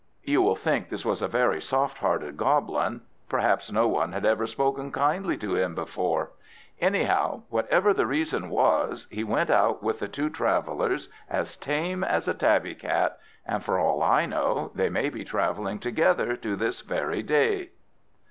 You will think this was a very soft hearted Goblin. Perhaps no one had ever spoken kindly to him before; anyhow, whatever the reason was, he went out with the two travellers, as tame as a tabby cat; and for all I know, they may be travelling together to this very day.